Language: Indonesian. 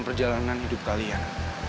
perjalanan hidup kalian